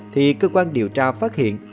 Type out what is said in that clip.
thì cơ quan điều tra phát hiện